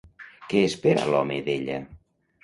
Què espera l'home d'ella?